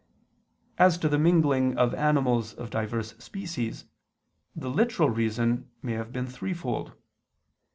As to the mingling of animals of divers species, the literal reason may have been threefold.